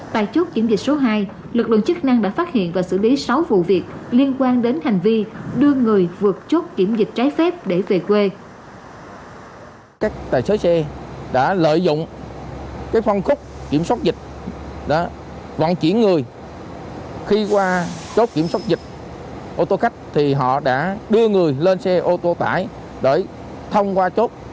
tại chốt kiểm dịch số hai lực lượng chức năng đã phát hiện và xử lý sáu vụ việc liên quan đến hành vi đưa người vượt chốt kiểm dịch trái phép